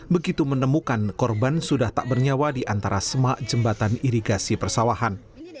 begitu menemukan korban sudah tak bernyawa di antara semak jembatan irigasi persawahan